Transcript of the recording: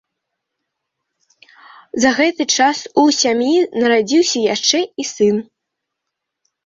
За гэты час у сям'і нарадзіўся яшчэ і сын.